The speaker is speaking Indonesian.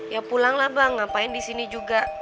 ya pulanglah bang ngapain di sini juga